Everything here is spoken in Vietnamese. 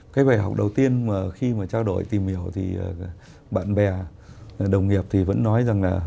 cái bài học đầu tiên mà khi mà trao đổi tìm hiểu thì bạn bè đồng nghiệp thì vẫn nói rằng là